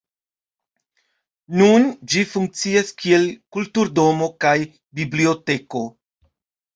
Nun ĝi funkcias kiel kulturdomo kaj biblioteko.